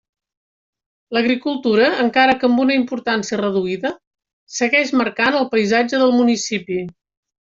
L'agricultura, encara que amb una importància reduïda, segueix marcant el paisatge del municipi.